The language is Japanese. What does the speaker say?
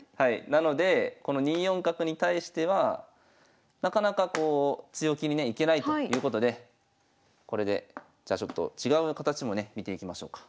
なのでこの２四角に対してはなかなかこう強気にねいけないということでこれでじゃあちょっと違う形もね見ていきましょうか。